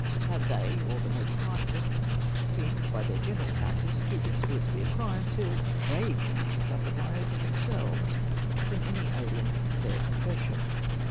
Have they, or the major part of them, seemed by their general practice to consider it to be a crime till they came to suffer by it them selves, from any alien to their profession